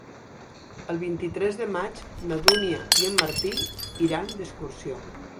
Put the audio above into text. El vint-i-tres de maig na Dúnia i en Martí iran d'excursió.